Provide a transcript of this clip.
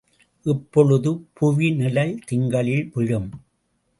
இப்பொழுது புவிநிழல் திங்களில் விழும்.